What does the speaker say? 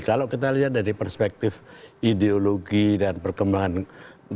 kalau kita lihat dari perspektif ideologi dan perkara perkara yang terjadi di indonesia